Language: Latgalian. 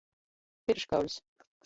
Pirškauļs.